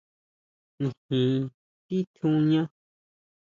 Nijin titjuñá.